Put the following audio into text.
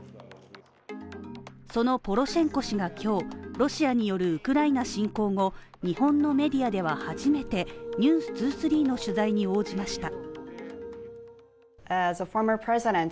そのポロシェンコ氏が今日、ロシアによるウクライナ侵攻後、日本のメディアでは初めて「ｎｅｗｓ２３」の取材に応じました。